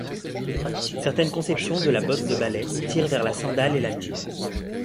Certaines conceptions de la botte de ballet tirent vers la sandale et la mule.